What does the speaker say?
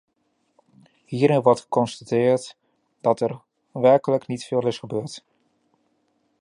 Hierin wordt geconstateerd dat er werkelijk niet veel is gebeurd.